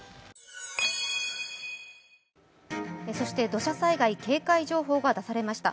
土砂災害警戒情報が出されました。